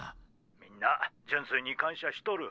みんな純粋に感謝しとる。